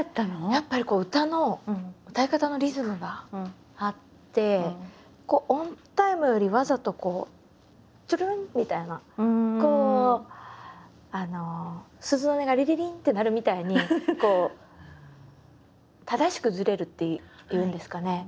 やっぱり歌のオンタイムよりわざとトゥルンみたいなこう鈴の音がリリリンって鳴るみたいにこう正しくずれるっていうんですかね。